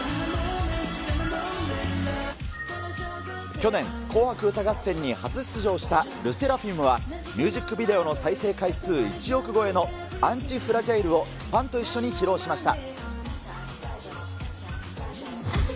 去年、紅白歌合戦に初出場したＬＥＳＳＥＲＡＦＩＭは、ミュージックビデオ再生回数１億超えのアンチフラジャイルをファンと一緒に披露しました。